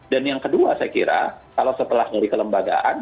dan yang kedua saya kira kalau setelah dari kelembagaan